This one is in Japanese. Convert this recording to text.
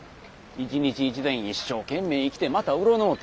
一日一善一生懸命生きてまた占うて。